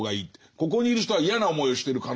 ここにいる人は嫌な思いをしてる可能性がある。